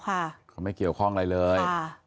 เขาไม่เกี่ยวข้องอะไรเลยค่ะ